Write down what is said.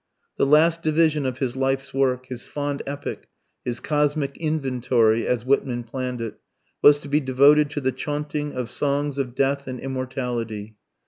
The last division of his life's work his fond Epic, his cosmic "inventory" as Whitman planned it, was to be devoted to the chaunting of songs of death and immortality.